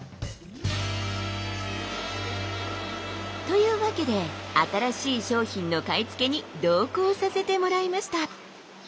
というわけで新しい商品の買い付けに同行させてもらいました。